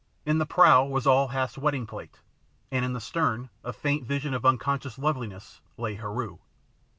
In the prow was all Hath's wedding plate, and in the stern, a faint vision of unconscious loveliness, lay Heru!